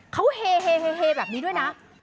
เขาเฮแบบนี้ด้วยนะ